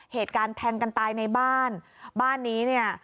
เหตุการณ์แทงกันตายในบ้านบ้านนี้เนี่ย